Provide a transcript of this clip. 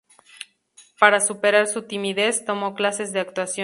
Para superar su timidez, tomó clases de actuación.